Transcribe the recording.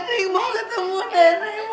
nenek mau ketemu nenek